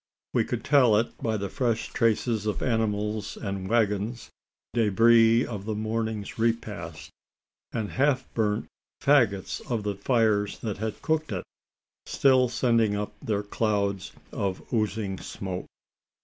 We could tell it by the fresh traces of animals and waggons debris of the morning's repast and half burnt faggots of the tires that had cooked it, still sending up their clouds of oozing smoke.